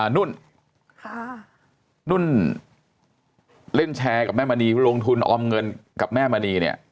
นุ่นนุ่นเล่นแชร์กับแม่มณีลงทุนออมเงินกับแม่มณีเนี่ย